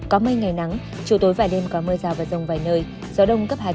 có mây ngày nắng trưa tối vài đêm có mưa rào và rông vài nơi gió đông cấp hai ba